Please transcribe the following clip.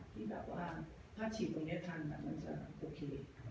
ที่แบบว่าถ้าฉีดตรงนี้ทันมันจะโอเค